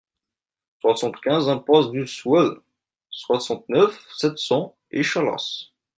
soixante-quinze impasse du Suel, soixante-neuf, sept cents, Échalas